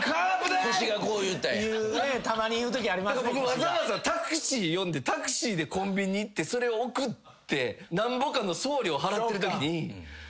わざわざタクシー呼んでタクシーでコンビニ行ってそれを送ってなんぼかの送料払ってるときに。